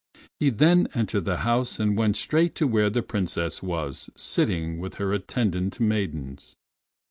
He then entered the house and went straight to where the Princess was sitting with her attendant maidens.